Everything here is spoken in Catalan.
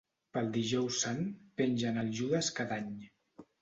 Pel Dijous Sant, pengen el Judes cada any.